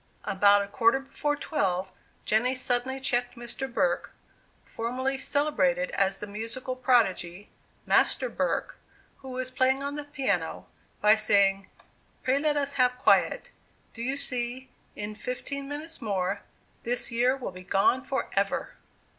About a quarter before twelve, Jenny suddenly checked Mr. Burke, formerly celebrated as the musical prodigy, "Master Burke," who was playing on the piano, by saying, "Pray let us have quiet; do you see, in fifteen minutes more, this year will be gone forever!"